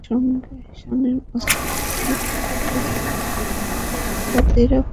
শামীম ওসমান এখানে পৌঁছলে শিক্ষার্থীরা ফুলের পাপড়ি ছিটিয়ে তাঁকে স্বাগত জানায়।